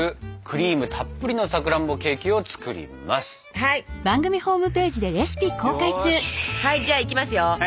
はいじゃあいきますよ。